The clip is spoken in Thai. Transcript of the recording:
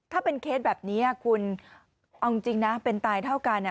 ถ้าเป็นเคสแบบนี้คุณเอาจริงนะเป็นตายเท่ากัน